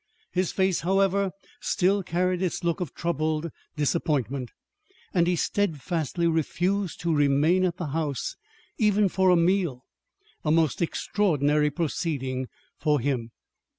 His face, however, still carried its look of troubled disappointment. And he steadfastly refused to remain at the house even for a meal a most extraordinary proceeding for him.